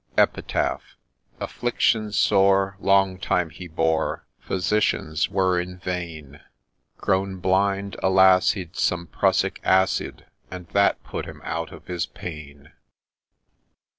Epitaph. Affliction sore Long time he bore, Physicians were in vain !— Grown blind, alas ! he'd Some Prussic Acid, And that put him out of his pain